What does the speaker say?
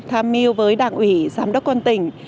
tham miu với đảng ủy giám đốc quân tỉnh